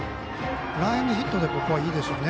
ランエンドヒットでここはいいでしょうね